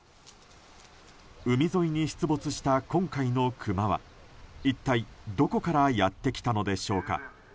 海沿いに出没した今回のクマは一体どこからやってきたのでしょうか？